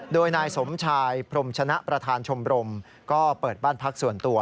โดยนายสมชายพรมชนะประธานชมรมก็เปิดบ้านพักส่วนตัว